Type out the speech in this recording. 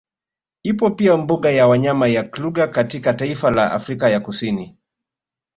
Ipo pia mbuga ya wanyama ya Kluger katika taifa la Afrika ya Kusini